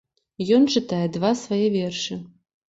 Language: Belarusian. Ён чытае два свае вершы.